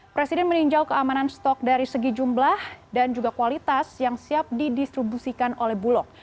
presiden meninjau keamanan stok dari segi jumlah dan juga kualitas yang siap didistribusikan oleh bulog